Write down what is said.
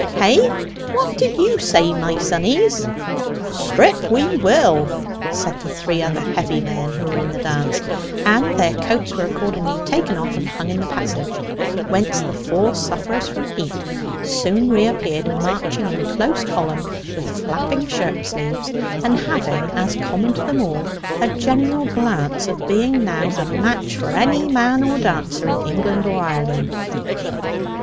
Hey what did you say, my sonnies?" "Strip we will!" said the three other heavy men who were in the dance; and their coats were accordingly taken off and hung in the passage, whence the four sufferers from heat soon reappeared, marching in close column, with flapping shirt sleeves, and having, as common to them all, a general glance of being now a match for any man or dancer in England or Ireland.